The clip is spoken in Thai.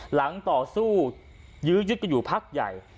หลังต่อสู้ยืดกันอยู่พักใหญ่